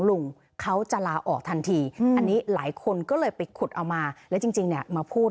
ลุงเขาจะลาออกทันทีอันนี้หลายคนก็เลยไปขุดเอามาและจริงเนี่ยมาพูด